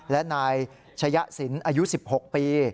และนายชยศิลป์อายุ๑๖ปี